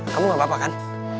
kamu gak apa apa kan